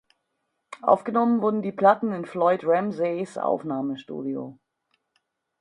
Aufgenommen wurden die Platten in Floyd Ramseys Aufnahmestudio.